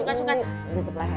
enggak gak usah suka suka